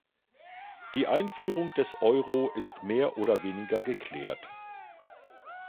Die Einführung des Euro ist mehr oder weniger geklärt.